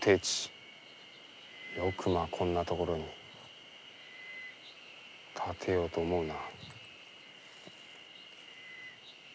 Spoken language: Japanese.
よくまあこんな所に建てようと思うな。